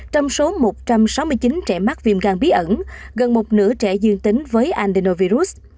trong số một trăm sáu mươi chín trẻ mắc viêm gan bí ẩn gần một nửa trẻ dương tính với andenovirus